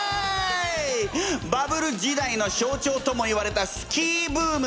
バブル時代の象徴ともいわれたスキーブーム。